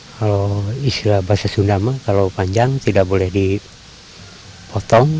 kalau istilah bahasa sundama kalau panjang tidak boleh dipotong